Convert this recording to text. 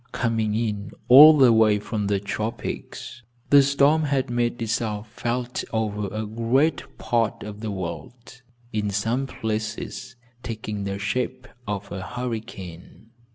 Coming in all the way from the tropics the storm had made itself felt over a great part of the world, in some places taking the shape of a hurricane.